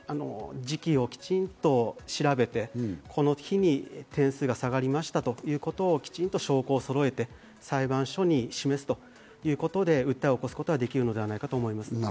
時期をきちんと調べて、この日に点数が下がりましたということをきちんと証拠をそろえて裁判所に示すということで訴えを起こすことはできるんじゃないかと思います。